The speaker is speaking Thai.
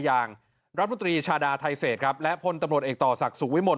อย่างรัฐมนตรีชาดาไทเศษครับและพลตำรวจเอกต่อศักดิ์สุขวิมล